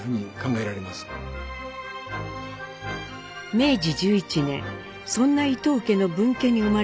明治１１年そんな伊藤家の分家に生まれたのが貞次。